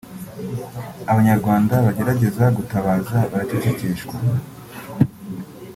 Abanyarwanda bagerageza gutabaza baracecekeshwa